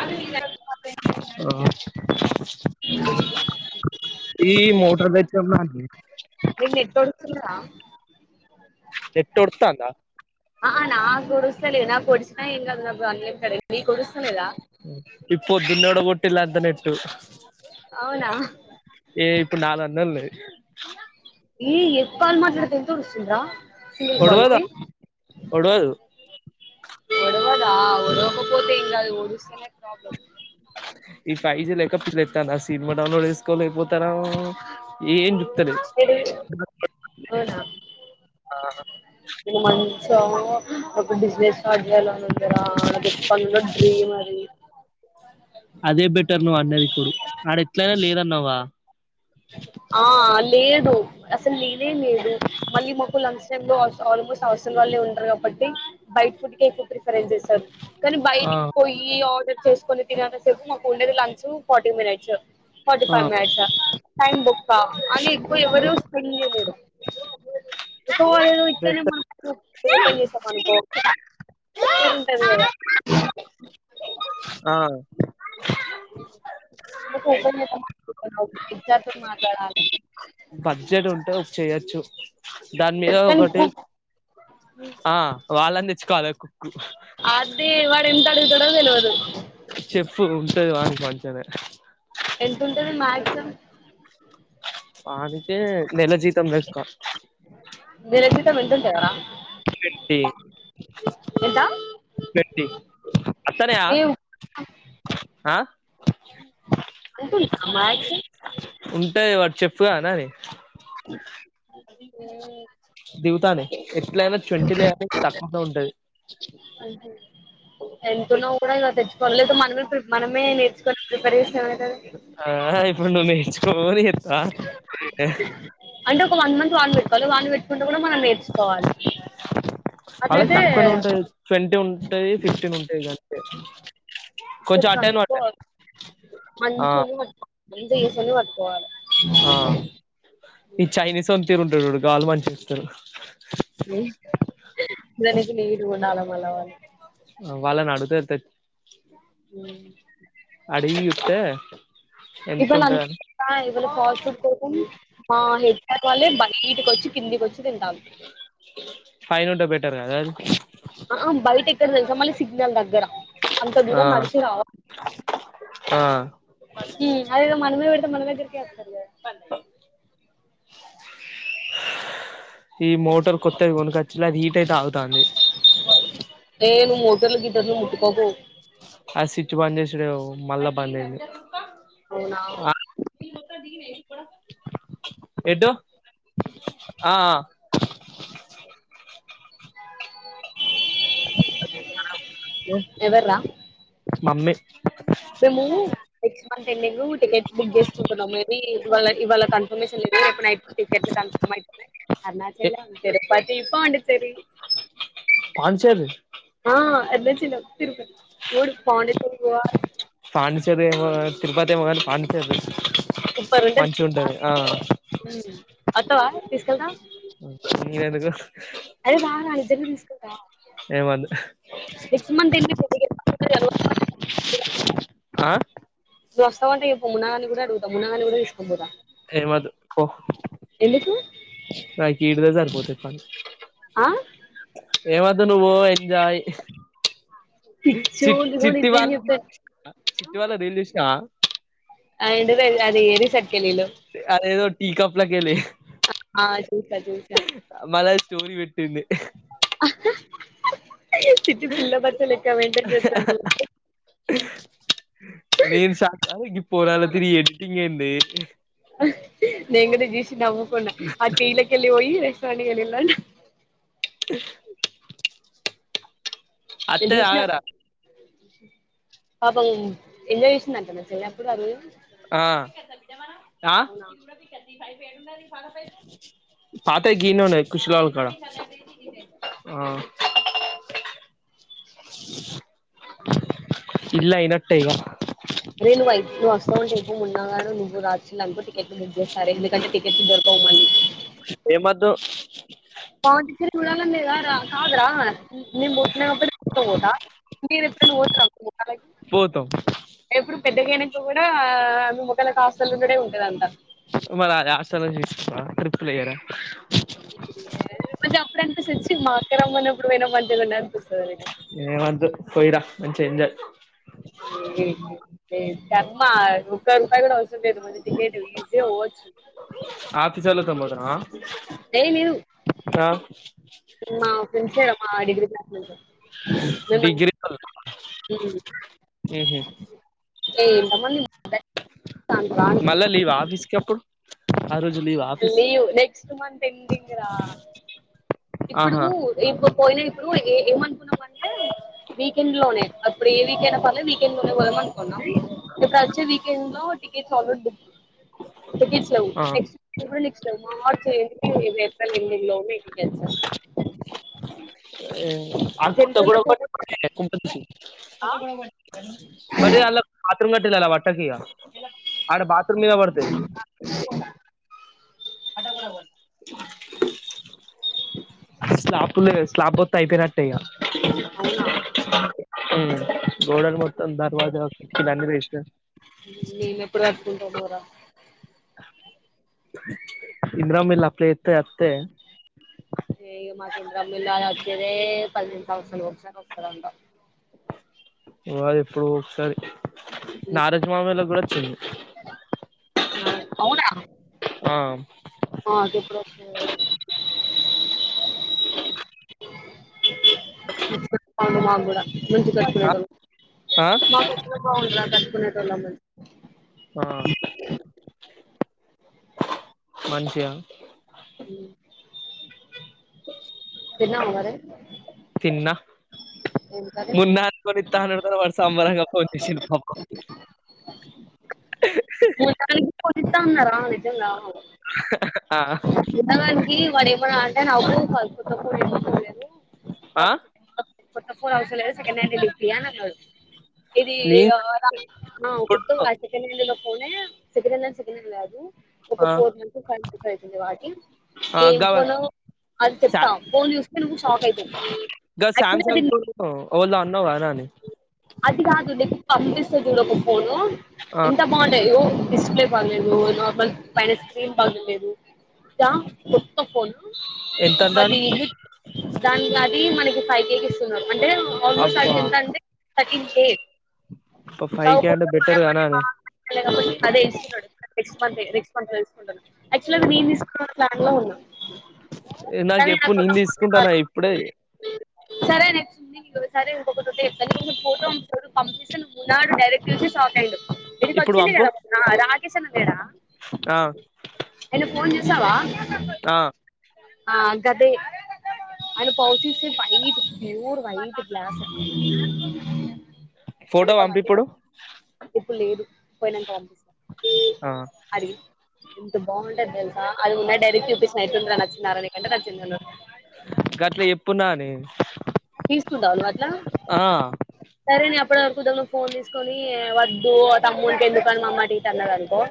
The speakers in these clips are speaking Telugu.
అది ఈ మోటర్ దచ్చన్నాడి నం నెట్తుందరా నెట్ ఒడుతాందా ఆ నా గురు సర నా ప పోడిేినాం అది నా అన్లై క మీ కు ఇప్పు దిన్నోడ కొట్టిలా అంత నెట్టు అవునా ఏ ఇప్పు నాలు అన్నలి అనా ఈ ఎక్కులు మాట్లాడతే ఎంతడు వస్తుంద్రా ఒడవదు ఒడవాదు ఒడవదా ఒడవకపోతే ఏం కాదు ఒడుస్తానే ఇ ఫయిజ లెక్క ఫీల్ అవుతాను ఆసి సినిమా డౌన్లోడ్ చేసుకోలేకపోతనాము ఏం చూత్తలేదు ఎటు పోయినవ్ అవునా మంచము ఒక బిజినెస్ స్టార్ట్ చేయ్యాల అని ఉంది కదా నాకు ఎప్పటినుండో డ్రీమ్ అది [inaudible] అదే బెటర్ నువ్వు అన్నది ఇప్పుడు ఆడ ఎట్లయినా లేదన్నావా ఆ లేదు అసలు లేనే లేదు మళ్ళీ మాకు లంచ్ టైమ్ లో హా ఆల్మోస్ట్ హాస్టల్ వాళ్ళే ఉంటారు కాబట్టి బైట్ ఫుడ్ కె ఎక్కువ ప్రిఫరెన్స్ ఇస్తారు కానీ ఆ బయటకు పోయి ఆర్డర్ చేసుకుని తినేంత సేపు మాకు ఉండేది lunch forty minutes forty five minutes time బొక్క అని ఎక్కువ ఎవరు చెయ్యలేరు సో అదేదో బెటర్ మనం ఓపెన్ చేస్తాం అనుకో రు ఉంటది కదా ఆ ఆహా అందుకే ఓపెన్ చేద్దామను సూపర్ ఓకే హెచ్ ఆర్ తోని మాట్లాడాలా బడ్జెట్ ఉంటే ఒ చెయొచ్చు దాని మీద కానీ ఒకటి ఆ వాళ్ళని చ కాలకు కు అదే వాడు ఎంత అడుగుతాడు తెలవదు చెప్పు ఉంటది వానికి మంచిగానే ఎంత ఉంటది మాక్సిమం వానికే నెల నెల జీతం లే కా [inaudible] వేరే జీతం ఎంత ఉంటదిరా డి ఎంత ఏంటి వత్తనయ్యా ఏం హా ఆహా అంటుందా మాక్స్ ఉంటది వాడుచైఫ్ పోదామా నాని దిగుతానాయి ఎట్లా ట్వంటీ లేయినా తక్కువనే ఉంటది ఎంత ఉన్న కూడా ఇగా తెచ్చుకోవాలే లేపోతే మనమే ప్రీపే మనమే నేర్చుకొని పరిస ఆ [unintelligible] నిల్చుకొని అంటే ఒక వన్ మంత్ వాళ్ళు [unintelligible] వాళ్ళు పెట్ కూడా మనం నేర్చుకోవాలి అలాగ అట్లయితే తాక్క్కవనే ఉంటాయి ట్వంటీ ఉంటాయి ఫిఫ్టీన్ ఉంటాయి ఇగ అంతే ఇక్కడికి అంత ఆ మంచి అని [unintelligible] మంచి [unintelligible] పట్టుకోవాలే ఆ ఈ చైనిీస్ ఓల్ తీరుంటాడు గాలు మంచి ఇస్తారు దనికి నీట్ గుండాల మల్ల వాళ్ళని అడుగు తే హ్మ్ అడిగి చూస్తే ఎంత [unintelligible] ఉంటదని ఈటికి వచ్చి కిందికి వచ్చి తింటాం ర్ కదా ఆది ఆమ్ బయట తెలుసా మళీ సిగ్నల్ దగ్గర అంత ఆ దూరం నడిసి రావలి ఆ ఉమ్ అదేధో మనమే పెడితే మనమే ఇక [inaudible] ఈ మోటర్ కొత్తది కొనుకొచ్చల అది హీట్ అయితే ఆగుతాంది ఏ నువ్వు మోటర్లు గీటర్లు ముట్కోకు ఆ స్విచ్ బంద్ చేసుడెమో మళ్ళా బంద్ అయింది అవునా ఆ ఏటు ఆ ఆ ఎవర్రా మమ్మి మెము ఎట్ అంత ఎందుకు ఊటికచ్ బుక్ చేసుకుంటన్నాం మే బి ఇవాళ ఇవాళ కన్ఫర్మేషన్ రేపు నైట్కి టిక్కెట టికెట్లు కన్ఫార్మ్ ఐతాయ్ ఏ అరుణాచల్ తిరుపతి పోండుచ్ సరే పాండిచ్చేరి ఆ అరుణాచలం తిరుపతి మూడూ పాండిచ్చేరి పోవా పాండిచ్చేరి ఎమో కానీ తిరుపతి ఎమో కాని పాండిచ్చేరి చూ ఉంటారన్టే ఉమ్ అథావా తీసుకెళ్తా ని ఎందుకు చెప్ అరే రా రా నిజంగ తీసుకెల్తా ఏమోద్ధు నెక్స్ట్ మంత్ ఎండింగు కి చెప్తా ఆ నువ్వోస్తా అంటె చెప్పు మున్నా గానీ కూడా అడుగుతా మున్నాగానీ కూడా తీసుకోనిబోధం ఎమోద్దు పో నాకి ఈడానే సరిప్ పోతే పని ఆ ఎమోద్దు నువ్వు పో ఎంజాయ్ పిచ్చు చి నువ్వు చిట్టివాళ నిజం చెప్తా చిట్టివాళ రిలేషన్ ఆ ఆ ఇ అది ఏరి సట్ అదేదో టి కప్పులాకెలి ఆ చూసా చూసా మళ్ళ స్టోరీ పెట్టింది [unintelligible] పిల్ల బచ్చ లెక్క మెయింటైన్ చేస్తాను నేను షాక్ అయినా పోరాగాలతోని ఎడిటింగ్ ఏది అన్ని [unintelligible] నీను చూసి నవ్వుకూన ఆ టి లాకెలి పోయి కాడిగనలడి అ [unintelligible] నేను అత్తది చూసిన ఆగార పాపం ఎంజాయ్ చేసిందంటన చెల్లి అప్పుడు ఆ రోజు ఆ అవునా పాతయి గీనే ఉన్నాయి కుష్లాలవం కాడ ఆ ఇల్లు అయినాటే ఇగ రే నువ్వయ వస్తావుంటే చెప్పు మున్నాగాడు నువ్వు రాసిరానుకో టిక్ టికెట్లు బుక్ చేస్తారు ఎందుకుంటే టికెట్లు దో దొరకవు మళ్ళీ ఎం వద్దు పవన్ పిచర్ చూడాలని లేదారా కాదురా నేను పోతున్నా కాబట్టి పోత మీరు ఎప్పుడన పోతారా అలాగే పోతాం ఎప్పుడు పెద్దగా అయినాక కూడా ఆ మిమొఖంలకు హాస్టల్ ఉండుడే ఉంటది అంతా మరి హాస్టల్ నుండి ట్రిప్ లు వేయరా కొంచెం అప్పుడు అనిపిస్తుంది మా అక్క రామానపుడు పోయిన మంచిగావుండు అన్ని ఎం వద్దు పోయిరా చెజ [unintelligible] ఎ ధర్మ ఒకరుపాయ కూడా అవస టికెట్ టికెట్ ఈజీగా పోవచ్చు ఆఫీస్ వెళతాన్ని పోతున్నావా కా సినిమా ఫ్రెండ్స్ మా డిగ్రీ క్లాస్మెంట్స్ మీము అంద డిగ్రీ వోళ్ళు ఉహు ఉ ఉ సంబందింట మళ్ళ వ ఆఫీస్కిప్పుడు ఆ రోజు లీవ్ ఆఫీస్ సుమంతంతందిడింగరా ఇప్పుడు ఆహా ఇంకో పోయినా ఇప్పుడు ఏ ఏమనుకున్నాం అంటే వీకెండ్ లోనే అప్పుడు ఏ వీకెండ్ అ ప వీకెండ్ లోనేదం అనుకున్నాం ఇప్పుడు వచ్చే వీకెండ్ లో టికెట్స్ ఆల్రెడీ బుక్ వీకెండ్సలో ఆ ఎక్స్క్స్ట్ మ ఎ లో కెస ఆ అ తగ బర లో పోతే ఆ అ మతంగ వాట్టకి అ బాథరుూమ్ మీ దబడుతే అటా బరాబర స్లాపులు స్లాబ్ వా అయిపోయినట్టేయ అవునా ఉమ్ గోడక్ మొత్తం దర్వాజకి దాన్ని దిష్ణర్ మేము ఎప్పుడు కట్టుకుంటామోరా ఇందిరమ్మ ఇల్లు అప్లయ్ ఎత్త అత్తె ఏ మాకి ఇందిరమ్మ ఇళ్లలు వచ్చేదే పదిహేను సంవత్సరాల ఒకసారి వస్తందంట వా ఎప్పుడో ఒకసారి నారాజా మమ్మయ్యోలగూడ చె నా అవున ఆ [unintelligible] మాగుడా మంచి కట్ప ఆ మాకుాగు కోనేతోల్లం మేము ఆ మంచిగా అ తన్న ఉవర మున్న అనుకని ఇత్తనన్నాడు వా సాంబారంగా ఫోన్ జేసిండు పాపం ఇస్తాడరా నిజంగా ఆ కి వాడు ఏమన్నా అంటే నాకు క కూడాలేదు ఆ అప్పుది కొత్త ఫోన్ అవసరం లేదు సెకండ్హ్యాండిల్ ఇప్పి అని అన్నాడు ఇది నేను అర ఆ ఓ ఇప్పుడు కొత్త కాదు సెకండ్ హ్యాండిల్లో ఫోనే సెకండ్ హ్యాండ్ల్ సెకండ్హాండల్ తేవద్దు ఒక ఆ ఫోర్ మంత్స్ ఫైవెస్ అవుతుంది వాటి ఆ నేం గా ఫోను అది సా చెప్తా ఫోన్ చూస్తే నుకు షాక్ అవుతావ్ ఇ శమ్సంగ్ కు వాళ్ళు అన్నావు కానా అని పంపిస్త జూడకు పోను ఆ ఎంత బాగుంటాయో డిస్ప్లే బాలేదు నార్మల్ పైన స్క్రీన్ బాగలేదు చ కొత్త ఫోను ఎంత అంటాండు అది దానికినికి అది మనకి ఫైకి ఎక్కిస్తునార్ అంటే ఆల్మోస్ట్ అది అబ్బా ఎంతంటే థర్టీన్ కే ఫైవ్ కే అంటే బెటర్ కదా నాని కాబట్టి అదే ఇ మంది రిస్పాండ్ తెలుసుకుంటును అక్టువల్గా నేను తెకుందాం అనుకున్ చరలో ఉన్న నాకు ఎప్పుడు నేను ఫోన్ తీసుకుంటాను ఇప్పుడే కావాలి సరే నక్ంది నక ఒకకసారి ఇంకొకటి చెప్ ఫోటో పంపిస్తే నువ్వున్నాడు డైరెక్ట్ చూసి సాక అండ్ ఇడికి ఇప్పుడు వచ్చింది పంపు కదా రాత్ర సన్ బేడ ఆ ఎలా ఫోన్ చే వసవా ఆ ఆ గదే అ pouches pure white glass photo వెనుక మ పంపి ఇప్పుడు ఇప్పుడు లేదు పోయినాకు వంపి ఆ ఎంత బాగుంటది తెలుస అది ఉన్నా డైరక్ చూపి స్తుంద్రచ్చ ఇరది గంట రాచ్చిందల ఇంక అట్లా ఎప్పున్నా న తీస్తుదాలు సరే ఇప్పటివరకు ఉదమం ఫోన్ తీసుకొని వద్దు ఆ తమ్ములకి ఎందుకు మామా టీట అన్నారు అనుకో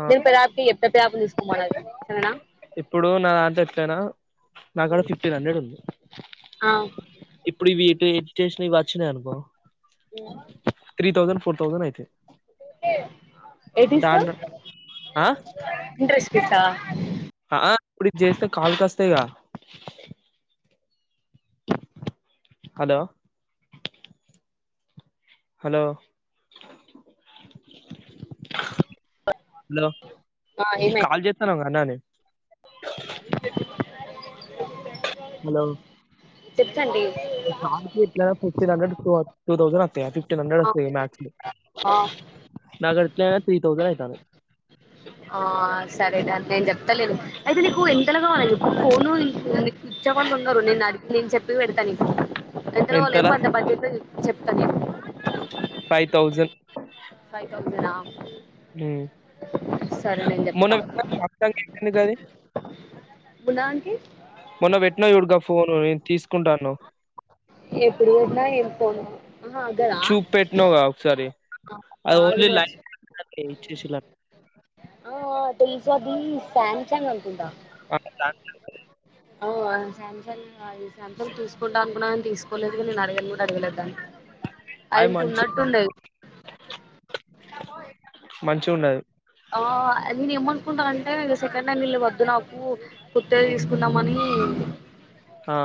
ఆ మీరు పిదార్కి ఎప్పుడు బ్యాప్ తీసుకుకోమ సరేనా ఇప్పుడు నా అంట ఎప్పనా నాకుడ ఫిఫ్టీన్ హండ్రెడ్ ఉంది ఆ ఇటు ఇష పచ్చిన ఎనుకు ఏ త్ర తౌజడ్ ఫోర్ తౌజడ్ అయితది ఏట్స్ దాంట్లో ఆ ఇంట్రెస్ట్ సా ఆ ఇప్పుడు చేస్తే కాలుకిస్తేగా హలో హలో హలో ఆ ఈ ఏమైంది కాల్జ ఎతున్నారుర అన్నానే హలో చెప్పు ఫఫటీన్ హండ్రె టూ తౌసాండ్ [inaudible] ఆ హండ్రెడ్ వస్తాయి మాక్సిమం ఆ న త్రీ తథౌసండ్ అయితాది ఆ సరే అ నేను చెప్తాలే అయితే నీకు ఎంతలా కావాలండి ఇప్పుడు ఫోన్ స్విచ్ అవ్వళకున్నారు నేను నాకి నేను చెప్ప పెడతా నీకు ఎంతలో కావాలో ఎంతలా చెప్పు అంత బడ్జెట్ చెప్తా నేను ఫైవ్ థౌజండ్ ఫైవ్ తౌసండ్ ఆ మన చెప్తా ఎందుకది మున్నా ఆంటీ మన పెట్న చూడు క ఫోన్ తీసు ఎప్పుడన్నా ఏ పోను చూప పెట్న ఒకసారి అది ఓన్లీ మ లైన్ కొట్టడానికే ఇచ్చేసిల్లంట పజది స సామ్సంగ్ అనుంట ఆ [inaudible] ఓ శామ్సంగ్ ఈ శామ్సంగ్ తీసుకుంటా అనుకున్నా తీసుకోలేదుగా నేను అడిగను కూడా అడగలేద్దాన్ని అది తున్నట్ండ మంచిగా ఉండదు ఆ అది ఏమను కుంటా అంటే సెకండ్ హ్యాండిల్ వద్దు నాకు కొత్తది ఉమ్, తీసుకున్నామని కోదుకు ఆ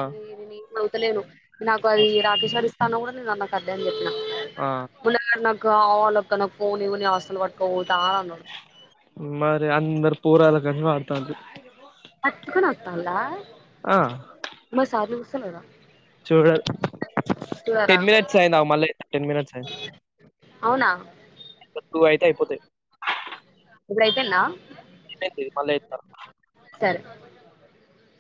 అవుతలేను నాకు అది రాకేశ్వరి ఇస్తా అన కూడా నేను నాకు అదే అని చెప్పిన ఆ ఉన్నన్న కావాలి అక్క నా ఫోన్ ఇవ్వు అసలు పట్ కో మరి అందరు పూరాల కంజ్ వాడుతంది అత్క్ నోత్తన్ లా మసలు సలుదా చూడలీ టెన్ మినిట్స్ అయినా మళ్ళీ టెన్ మినిట్స్ అవునా టూ అయితే అయిపోతాయి ఇప్పుడు అయిపోయిందా అయిపోయింది మళ్ళ [unintelligible] సరే